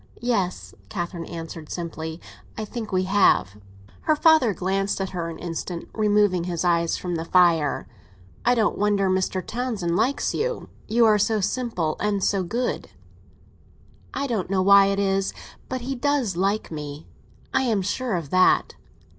"Yes," Catherine answered simply; "I think we have." Her father glanced at her an instant, removing his eyes from the fire. "I don't wonder Mr. Townsend likes you. You are so simple and so good." "I don't know why it is—but he does like me. I am sure of that."